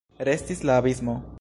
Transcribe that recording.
Restis la abismo.